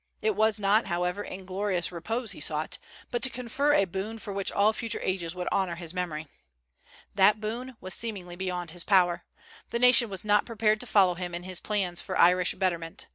It was not, however, inglorious repose he sought, but to confer a boon for which all future ages would honor his memory. That boon was seemingly beyond his power. The nation was not prepared to follow him in his plans for Irish betterment.